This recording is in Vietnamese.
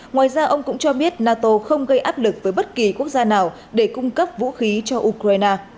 ngoài ra ông cũng cho biết nato không gây áp lực với bất kỳ quốc gia nào để cung cấp vũ khí cho ukraine